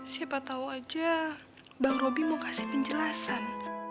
siapa tahu aja bang roby mau kasih penjelasan